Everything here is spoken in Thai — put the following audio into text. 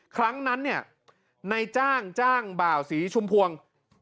ครั้งนั้นเนี่ยในจ้างจ้างบ่าวศรีชุมพวง